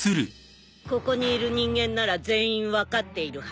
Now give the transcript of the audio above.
ここにいる人間なら全員分かっているはずだよ？